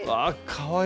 かわいい。